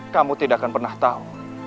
kamu tidak akan pernah tahu